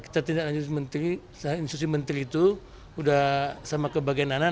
tertindak institusi menteri itu sudah sama ke bagian anak